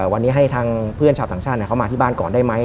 วันนี้ให้ทางเพื่อนชาวต่างชาติเขามาที่บ้านก่อนได้ไหม